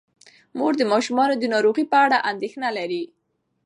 مور د ماشومانو د ناروغۍ په اړه اندیښنه لري.